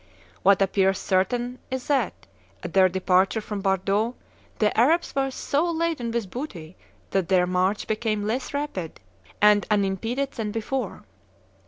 What appears certain is that, at their departure from Bordeaux, the Arabs were so laden with booty that their march became less rapid and unimpeded than before.